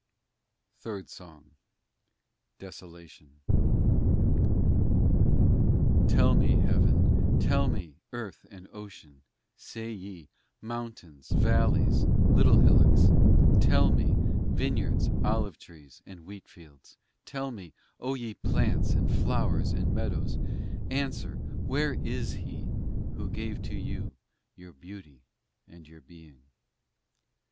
SONG III DECID CEILOS Y TERRA, DECID MARES Desolation I TELL me, heaven, tell me, earth and ocean, Say ye, mountains, valleys, little hillocks, Tell me, vineyards, olive trees, and wheatfields, Tell nse, O ye plants and flowers and meadows, Answer, where is He Who gave to you your beauty and your being